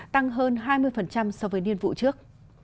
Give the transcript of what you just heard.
tăng hơn hai mươi so với niên vụ trước